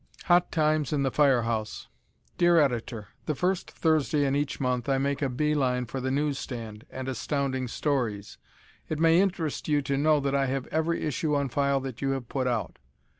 Hot Times in the Fire House Dear Editor: The first Thursday in each month I make a bee line for the newsstand and Astounding Stories. It may interest you to know that I have every issue on file that you have put out.